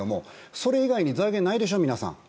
それ以外に財源ないでしょ皆さん。